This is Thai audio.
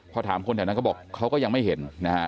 พอถามคนแถวนั้นก็บอกเขาก็ยังไม่เห็นนะฮะ